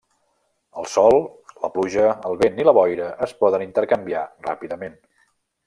El sol, la pluja, el vent i la boira es poden intercanviar ràpidament.